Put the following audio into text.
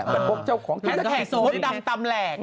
แบบพวกเจ้าของแฮชแท็กโมดัมตำแหลก